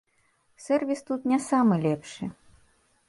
Сэрвіс тут не самы лепшы.